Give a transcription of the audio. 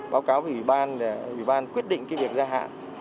báo cáo ủy ban để ủy ban quyết định cái việc gia hạn